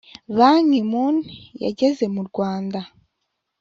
ban ki moon yageze mu rwanda